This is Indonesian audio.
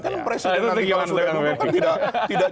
kan presiden nanti kalau sudah kan tidak